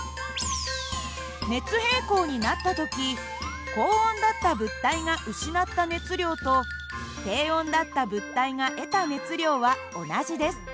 熱平衡になった時高温だった物体が失った熱量と低温だった物体が得た熱量は同じです。